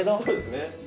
そうですね。